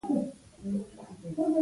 د طالبانو په واکمنۍ کې مې.